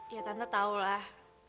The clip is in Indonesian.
ya tante tau lah